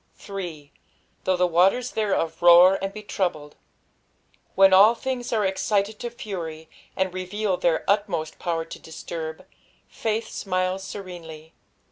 8. "Though the voter* thereof roar and ia tmyiled." When all things are excited to fury, and reveal their utmost power to diatnrb, faith smiles scienelj.